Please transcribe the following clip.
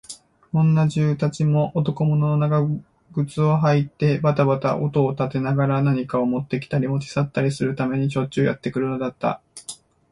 女中たちも、男物の長靴をはいてばたばた音を立てながら、何かをもってきたり、もち去ったりするためにしょっちゅうやってくるのだった。